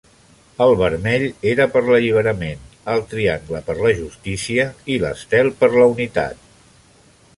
El vermell era per l'alliberament, el triangle per la justícia i l'estel per la unitat.